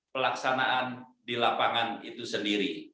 pelaksanaan di lapangan itu sendiri